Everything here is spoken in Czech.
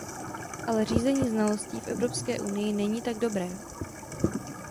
Ale řízení znalostí v Evropské unii není tak dobré.